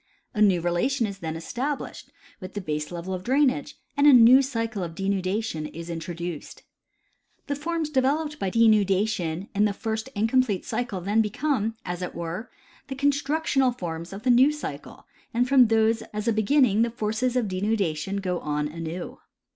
A new relation is then established Avith the baselevel of drainage, and a new cycle of denudation is introduced. The forms developed by denudation in the first incomplete cycle then become, as it were, the constructional forms of the new cycle, and from those as a beginning the forces of denudation go on aiiew.